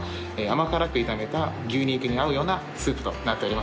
甘辛く炒めた牛肉に合うようなスープとなっております。